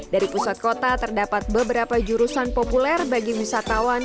dari pusat kota terdapat beberapa jurusan populer bagi wisatawan